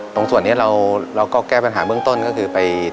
ตรงส่วนนี้เราก็แก้ปัญหาเบื้องต้นก็คือไป